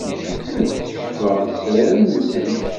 Ur d-keccfeɣ lesrar-nsent.